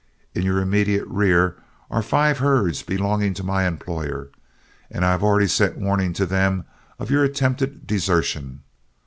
In your immediate rear are five herds belonging to my employer, and I have already sent warning to them of your attempted desertion.